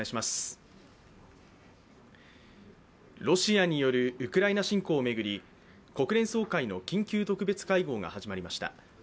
ロシアによるウクライナ侵攻を巡り国連総会の緊急特別会合が始まりました。